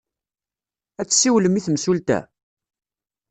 Ad tsiwlem i temsulta?